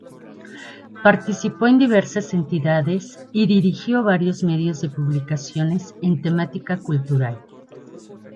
Participó en diversas entidades, y dirigió varios medios de publicaciones en temática cultural.